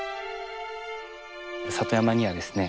里山にはですね